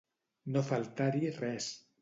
No faltar-hi res.